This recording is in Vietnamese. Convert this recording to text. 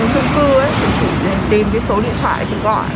thì chị tìm số điện thoại chị gọi